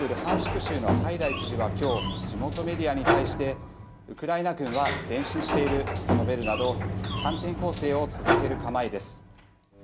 州のハイダイ知事は今日、地元メディアに対してウクライナ軍は前進していると述べるなど反転攻勢を続ける構えです。